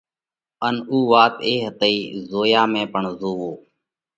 ان اُو وات اي هتئِي: “زويا ۾ پڻ زووَو۔”